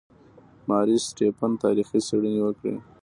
ماري سټیفن تاریخي څېړنې وکړې.